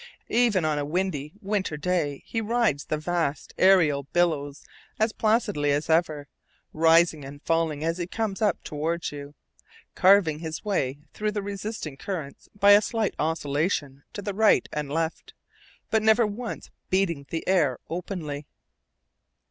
Even on a windy winter day he rides the vast aerial billows as placidly as ever, rising and falling as he comes up toward you, carving his way through the resisting currents by a slight oscillation to the right and left, but never once beating the air openly.